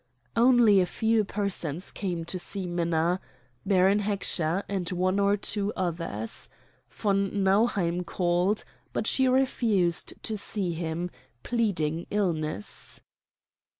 Only a few persons came to see Minna Baron Heckscher and one or two others. Von Nauheim called, but she refused to see him, pleading illness.